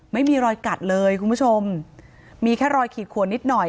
ไม่มีรอยกัดเลยคุณผู้ชมมีแค่รอยขีดขวนนิดหน่อย